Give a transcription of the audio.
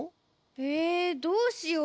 えどうしよう？